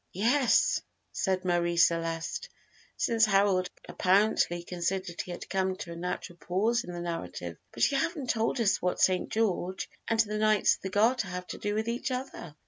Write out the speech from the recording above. "Yes," said Marie Celeste, since Harold apparently considered he had come to a natural pause in the narrative; "but you haven't told us what St. George and the Knights of the Garter have to do with each other."